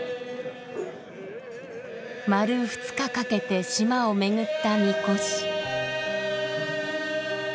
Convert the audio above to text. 丸２日かけて島を巡った神輿。